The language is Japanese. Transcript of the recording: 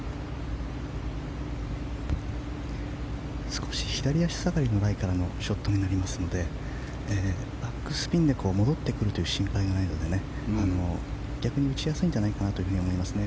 少し左足下がりのライからのショットになりますのでバックスピンで戻ってくるという心配がないので逆に打ちやすいんじゃないかなと思いますね。